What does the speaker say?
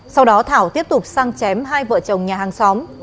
sau đó thảo tiếp tục sang chém hai vợ chồng nhà hàng xóm